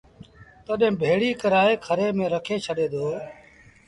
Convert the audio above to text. تڏهيݩ ڀيڙي ڪرآئي کري ميݩ رکي ڇڏي دو